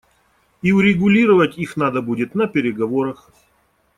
И урегулировать их надо будет на переговорах.